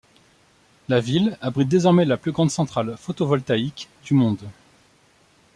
La ville abrite désormais la plus grande centrale photovoltaïque du monde.